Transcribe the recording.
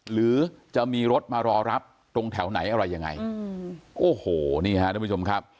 หรือจะมีรถมารอรับตรงแถวไหนอะไรยังไงโอ้โหนี่ฮะทุกผู้ชมครับ